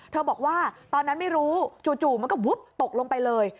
บอกว่าตอนนั้นไม่รู้จู่มันก็วุบตกลงไปเลย